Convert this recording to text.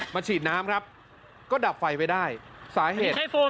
ฉีดน้ำครับก็ดับไฟไว้ได้สาเหตุ